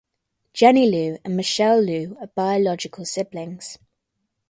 Jenny Lu and Michelle Lu are biological siblings.